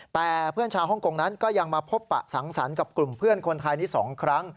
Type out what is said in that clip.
แต่เพื่อนชาวฮ่องกงนั้นก็ยังมาพบปะสังสรรค์กับกลุ่มเพื่อนคนไทยนี้๒ครั้ง